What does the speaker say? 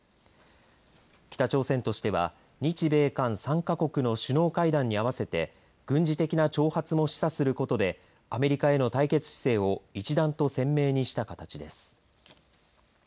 北朝鮮としては日米韓３か国の首脳会談にあわせて軍事的な挑発も示唆することでアメリカへの対決姿勢を一段と鮮明にした形です。